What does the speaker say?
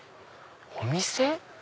お店？